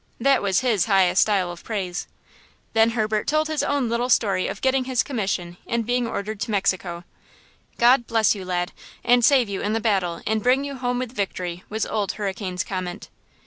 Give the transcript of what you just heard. That was his highest style of praise. Then Herbert told his own little story of getting his commission and being ordered to Mexico. "God bless you, lad, and save you in the battle and bring you home with victory!" was old Hurricane's comment.